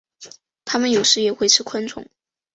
它们有时也会吃昆虫。